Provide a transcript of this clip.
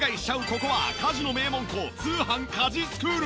ここは家事の名門校通販☆家事スクール！